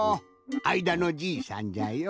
あいだのじいさんじゃよ。